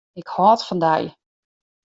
Ik hâld fan dy.